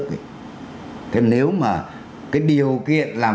thế nếu mà cái điều kiện làm việc của các loại hình tổ chức cơ sở đảng là một cái khó khăn vướng mắt